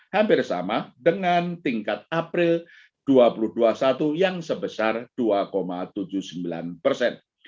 hampir sama dengan tingkat april dua ribu dua puluh satu yang sebesar dua tujuh puluh sembilan persen